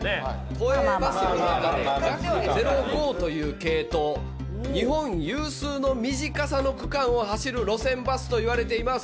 都営バスの学０５という系統日本有数の短さの区間を走る路線バスといわれています。